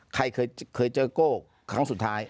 ใครเคยเจอโก้ครั้งสุดท้าย